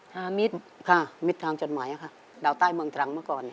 หามิตรค่ะมิตรทางจดหมายค่ะดาวใต้เมืองตรังเมื่อก่อน